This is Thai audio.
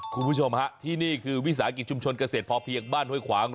คุณผู้ชมฮะที่นี่คือวิสาหกิจชุมชนเกษตรพอเพียงบ้านห้วยขวาง